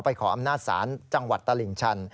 ขออำนาจศาลจังหวัดตลิ่งชัน